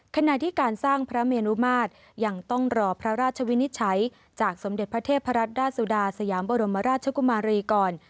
ขณะที่การสร้างพระเมรุมาตรยังต้องรอพระราชวินิจฉัยจากสมเด็จพระเทพรัตนราชสุดาสยามบรมราชกุมารีก่อน